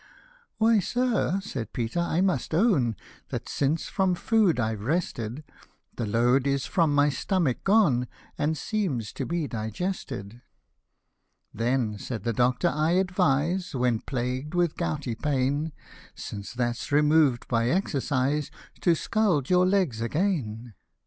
Why, sir," said Peter, " I must own That, since from food I've rested, The load is from my stomach gone, And seems to be digested." " Then," said the doctor, " 1 advise When plagued with gouty pain ; Since that's remov'd by exercise, To scald your legs again.